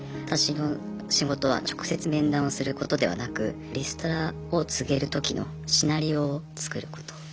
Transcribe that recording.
私の仕事は直接面談をすることではなくリストラを告げるときのシナリオを作ること。